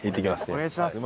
お願いします。